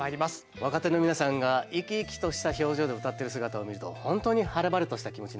若手の皆さんが生き生きとした表情でうたっている姿を見ると本当に晴れ晴れとした気持ちになりますよね。